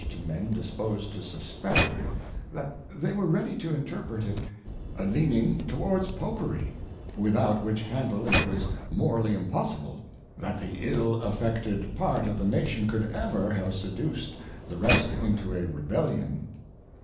79 to Men dispos'd to suspect, that they were ready to interpret it a leaning towards Popery, without which handle it was Morally impossible, that the ill affected part of the Nation could ever have seduc'd the rest into a Rebellion.